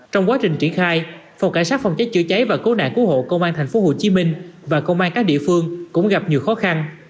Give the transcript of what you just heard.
trong quá trình triển khai phòng cảnh sát phòng cháy chữa cháy và cố nạn cứu hộ công an thành phố hồ chí minh và công an các địa phương cũng gặp nhiều khó khăn